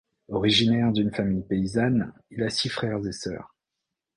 Originaire d'une famille paysanne, il a six frères et sœurs.